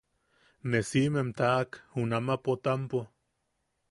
Ne siʼimem taʼak junama Potampo.